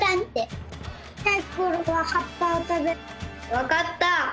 わかった！